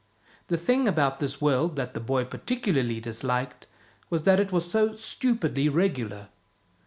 The thing about this world that the boy partic ularly disliked was that it was so stupidly regular.